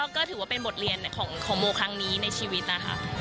ก็ถือว่าเป็นบทเรียนของโมครั้งนี้ในชีวิตนะคะ